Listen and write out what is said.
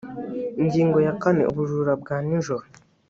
ingingo ya kane ubujura bwa nijoro